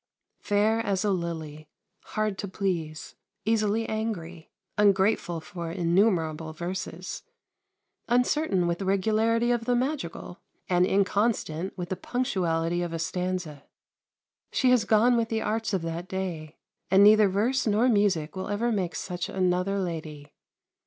Fair as a lily, hard to please, easily angry, ungrateful for innumerable verses, uncertain with the regularity of the madrigal, and inconstant with the punctuality of a stanza, she has gone with the arts of that day; and neither verse nor music will ever make such another lady.